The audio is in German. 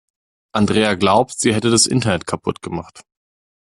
Andrea glaubt, sie hätte das Internet kaputt gemacht.